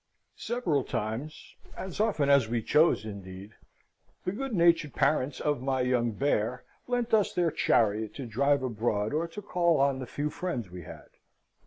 Several times, as often as we chose indeed, the good natured parents of my young bear lent us their chariot to drive abroad or to call on the few friends we had.